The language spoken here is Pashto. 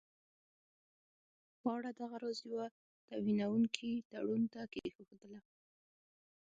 غاړه دغه راز یوه توهینونکي تړون ته کښېښودله.